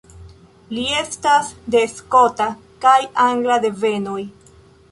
Li estas de skota kaj angla devenoj.